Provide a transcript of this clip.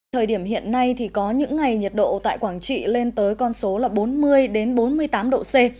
thời điểm hiện nay thì có những ngày nhiệt độ tại quảng trị lên tới con số là bốn mươi bốn mươi tám độ c